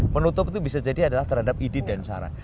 menutup itu bisa jadi adalah terhadap idit dan saran